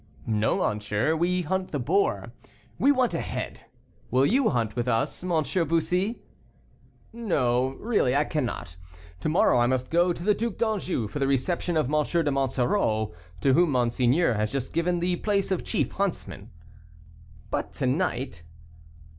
"No, monsieur, we hunt the boar. We want a head. Will you hunt with us, M. Bussy?" "No, really, I cannot. To morrow I must go to the Duc d'Anjou for the reception of M. de Monsoreau, to whom monseigneur has just given the place of chief huntsman." "But, to night?"